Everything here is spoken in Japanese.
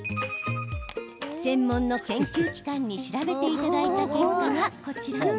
専門の研究機関に調べていただいた結果がこちら。